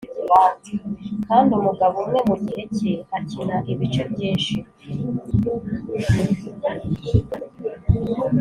kandi umugabo umwe mugihe cye akina ibice byinshi,